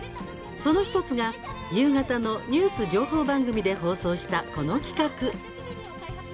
その１つが夕方のニュース情報番組で放送した、この企画。